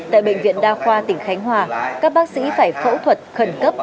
tại bệnh viện đa khoa tỉnh khánh hòa các bác sĩ phải phẫu thuật khẩn cấp